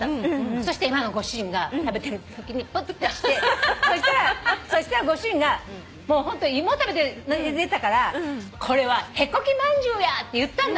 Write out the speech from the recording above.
そして今のご主人が食べてるときにプッとしてそしたらご主人がホント芋食べて出たから「これはへこきまんじゅうや」って言ったんだって。